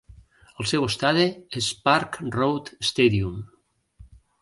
El seu estadi és Park Road Stadium.